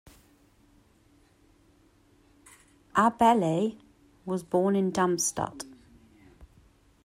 Abele was born in Darmstadt.